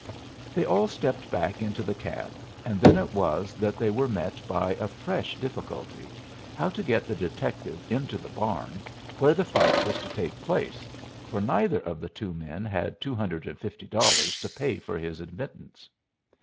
They all stepped back into the cab, and then it was that they were met by a fresh difficulty, how to get the detective into the barn where the fight was to take place, for neither of the two men had $250 to pay for his admittance.